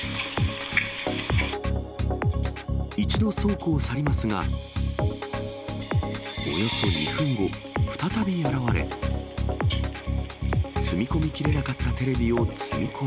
一度倉庫を去りますが、およそ２分後、再び現れ、積み込みきれなかったテレビを積み込み。